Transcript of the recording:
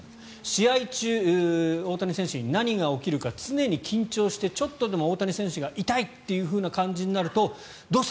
試合中、大谷選手に何が起きるか常に緊張してちょっとでも大谷選手が痛いという感じになるとどうした！